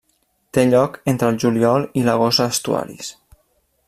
Té lloc entre el juliol i l'agost a estuaris.